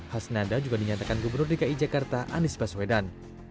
hasnanda juga dinyatakan gubernur dki jakarta anies baswedan